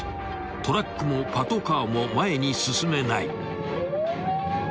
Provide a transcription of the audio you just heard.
［トラックもパトカーも前に進めない］